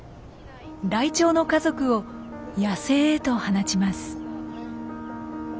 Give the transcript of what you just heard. ライチョウの家族を野生へと放ちます。